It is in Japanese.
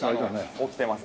起きてます。